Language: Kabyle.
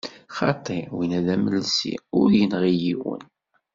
Xaṭi, winna d amelsi, ur yenɣi yiwen.